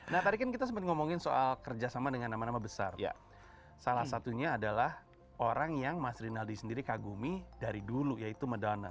nah tadi kan kita sempat ngomongin soal kerjasama dengan nama nama besar salah satunya adalah orang yang mas rinaldi sendiri kagumi dari dulu yaitu medana